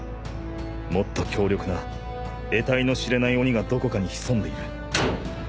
もっと強力なえたいの知れない鬼がどこかに潜んでいる。